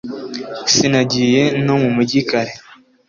sinagiye no mumujyi kare